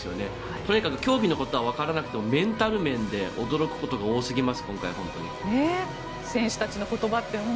とにかく競技のことはわからなくてもメンタル面で驚くことが多すぎます。